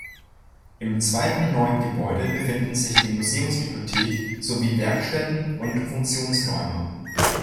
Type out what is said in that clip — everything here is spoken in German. Im zweiten neuen Gebäude befinden sich die Museumsbibliothek sowie Werkstätten und Funktionsräume.